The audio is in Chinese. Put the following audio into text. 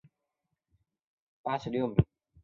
殿试登进士第三甲第八十六名。